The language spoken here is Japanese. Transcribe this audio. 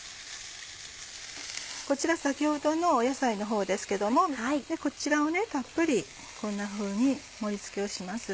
こちら先ほどの野菜のほうですけどもこちらをたっぷりこんなふうに盛り付けをします。